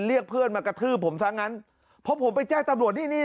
เรียกเพื่อนมากระทืบผมซะงั้นเพราะผมไปแจ้งตำรวจนี่นี่